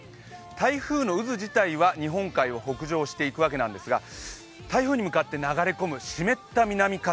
台風の渦自体は日本海を北上していくわけなんですが台風によって流れ込む湿った南風